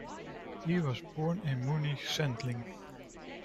He was born in Munich-Sendling.